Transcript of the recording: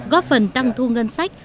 góp phần tăng thu ngân sách